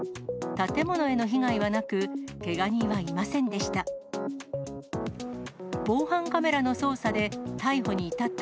建物への被害はなく、けが人はいませんでした。